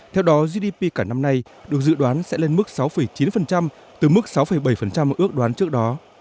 theo đó gdp cả năm nay được dự đoán sẽ lên mức sáu chín từ mức sáu bảy ước đoán trước đó